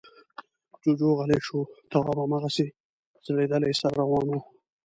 جُوجُو غلی شو. تواب هماغسې ځړېدلی سر روان و.